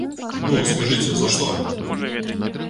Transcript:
Ну, скажыце, за што?